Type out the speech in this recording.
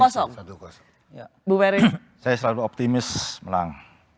saya selalu optimis menang satu